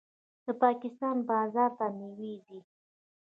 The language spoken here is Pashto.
د پاکستان بازار ته میوې ځي.